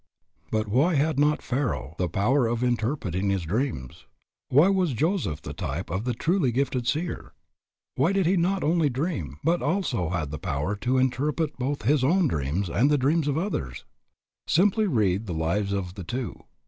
But why had not Pharaoh the power of interpreting his dreams? Why was Joseph the type of the "truly gifted seer?" Why did he not only dream, but had also the power to interpret both his own dreams and the dreams of others? Simply read the lives of the two.